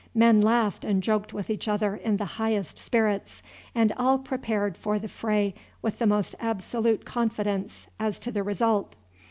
Men laughed and joked with each other in the highest spirits, and all prepared for the fray with the most absolute confidence as to the result.